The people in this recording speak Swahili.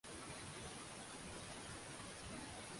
nimekulia hapa sijawahi kuona